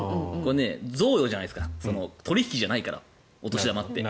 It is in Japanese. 贈与じゃないですか取引じゃないから、お年玉って。